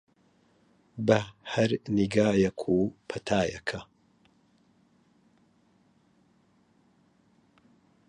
بە هەر نیگایەک و پەتایەکە